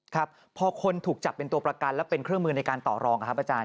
ครับพอคนถูกจับเป็นตัวประกันและเป็นเครื่องมือในการต่อรองครับอาจารย